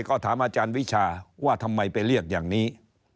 ก็ถามอาจารย์วิชาว่าทำไมไปเรียกอย่างนี้